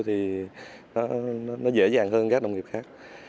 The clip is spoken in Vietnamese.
thì nó dễ dàng hơn các đồng nghiệp khác